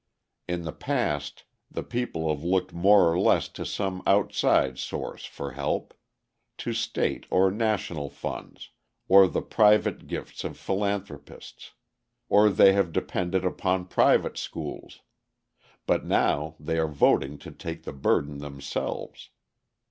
In the past the people have looked more or less to some outside source for help to state or national funds, or the private gifts of philanthropists, or they have depended upon private schools but now they are voting to take the burden themselves.